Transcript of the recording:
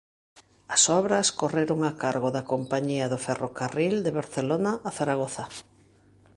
As obras correron a cargo da Compañía do Ferrocarril de Barcelona a Zaragoza.